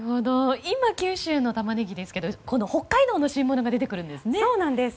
今は九州のタマネギですけど北海道の新物が出てくるんですね。